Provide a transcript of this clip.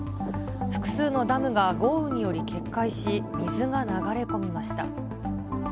複数のダムが豪雨により決壊し、水が流れ込みました。